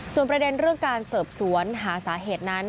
ส่วนประเด็นเรื่องการสืบสวนหาสาเหตุนั้น